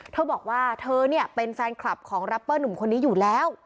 เธอบอกว่าเธอเนี่ยเป็นแฟนคลับของรัปเปอร์หนุ่มคนนี้อยู่แล้ว